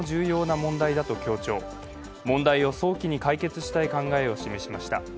問題を早期に解決したい考えを示しました。